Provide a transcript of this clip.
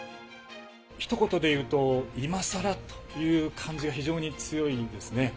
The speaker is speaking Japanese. ひと言で言うと、いまさらという感じが非常に強いですね。